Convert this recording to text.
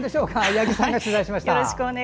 八木さんが取材しました。